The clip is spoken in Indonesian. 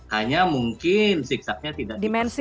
hanya mungkin siksa nya tidak dipersulit